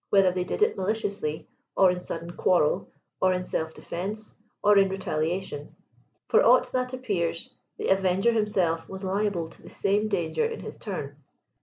ther they did it maliciously, or in sudden quarrel, or in self de fense, or in retaliation. For aught that appears, the avenger him self was liable to the same danger in his turn.